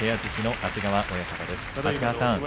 安治川さん